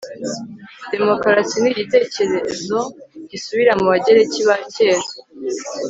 demokarasi ni igitekerezo gisubira mu bagereki ba kera